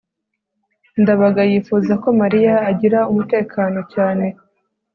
ndabaga yifuza ko mariya agira umutekano cyane